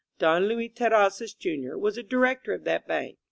Don Luis Terrazzas, Jr., was a di rector of that bank.